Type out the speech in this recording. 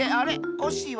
コッシーは？